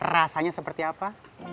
rasanya seperti apa